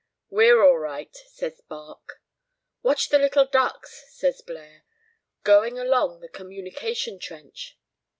"We're all right," says Barque. "Watch the little ducks," says Blaire, "going along the communication trench."